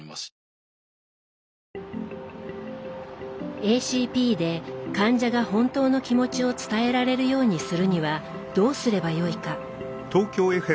ＡＣＰで患者が本当の気持ちを伝えられるようにするにはどうすればよいか。